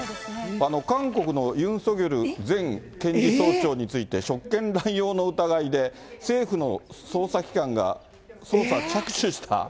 韓国のユン・ソギョル前検事総長について、職権乱用の疑いで、政府の捜査機関が捜査着手した。